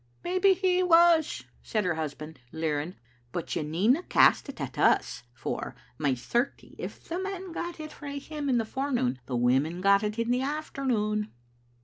"Maybe he was," said her husband, leering; "but you needna cast it at us, for, my certie, if the men got it frae him in the forenoon, the women got it in the afternoon."